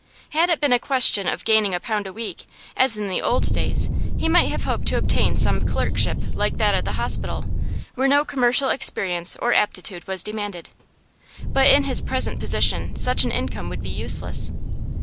Had it been a question of gaining a pound a week, as in the old days, he might have hoped to obtain some clerkship like that at the hospital, where no commercial experience or aptitude was demanded; but in his present position such an income would be useless.